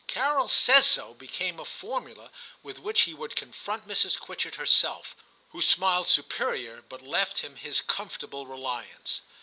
'Carol says so,' became a formula with which he would confront Mrs. Quitchett herself, who smiled superior, but left him his comfortable reliance.